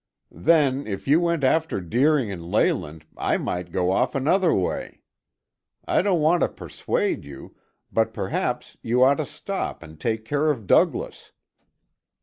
Then, if you went after Deering and Leyland, I might go off another way. I don't want to persuade you, but perhaps you ought to stop and take care of Douglas."